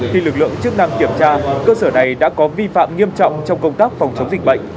khi lực lượng chức năng kiểm tra cơ sở này đã có vi phạm nghiêm trọng trong công tác phòng chống dịch bệnh